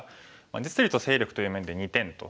実利と勢力という面で２点と。